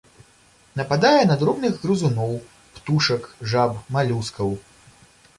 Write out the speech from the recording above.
Нападае на дробных грызуноў, птушак, жаб, малюскаў.